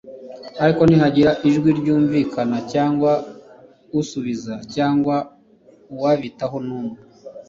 ariko ntihagira ijwi ryumvikana cyangwa usubiza cyangwa wabitaho numwe